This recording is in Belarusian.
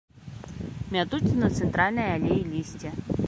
Мятуць на цэнтральнай алеі лісце.